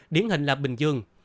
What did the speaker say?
điển hình là bình dương